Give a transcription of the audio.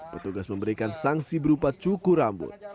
petugas memberikan sanksi berupa cukur rambut